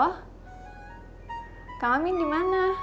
kak amin dimana